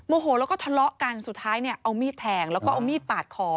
โหแล้วก็ทะเลาะกันสุดท้ายเนี่ยเอามีดแทงแล้วก็เอามีดปาดคอ